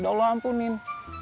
udah allah ampunin